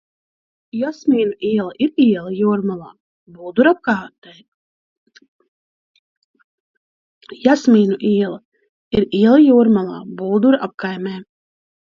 Jasmīnu iela ir iela Jūrmalā, Bulduru apkaimē.